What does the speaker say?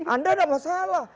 anda ada masalah